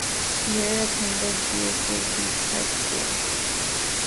Pierre attended Deerfield Beach High School.